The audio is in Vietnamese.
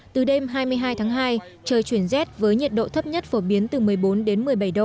từ đêm hai mươi hai tháng hai trời chuyển rét với nhiệt độ thấp nhất phổ biến từ một mươi bốn đến một mươi bảy độ